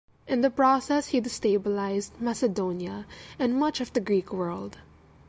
In the process he destabilized Macedonia and much of the Greek world.